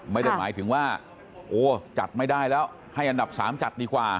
ไม่ได้หมายถึงว่าโอ้จัดไม่ได้แล้วให้อันดับ๓จัดดีกว่า